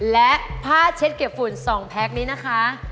และผ้าเช็ดเก็บฝุ่น๒แพ็คนี้นะคะ